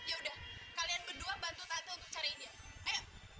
yaudah kalian berdua bantu tante untuk cariin dia